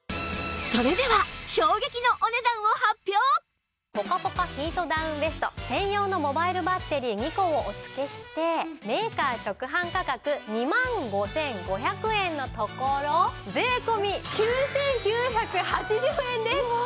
それではぽかぽかヒートダウンベスト専用のモバイルバッテリー２個をお付けしてメーカー直販価格２万５５００円のところ税込９９８０円です！